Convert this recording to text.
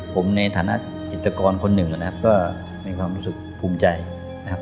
ผมในฐานะจิตกรคนหนึ่งนะครับก็มีความรู้สึกภูมิใจนะครับ